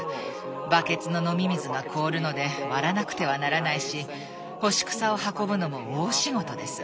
バケツの飲み水が凍るので割らなくてはならないし干し草を運ぶのも大仕事です。